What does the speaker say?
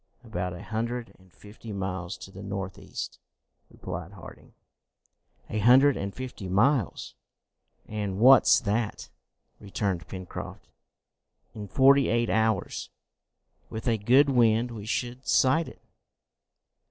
"About a hundred and fifty miles to the north east," replied Harding. "A hundred and fifty miles! And what's that?" returned Pencroft. "In forty eight hours, with a good wind, we should sight it!"